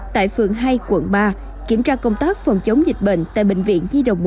tại phường hai quận ba kiểm tra công tác phòng chống dịch bệnh tại bệnh viện di đồng một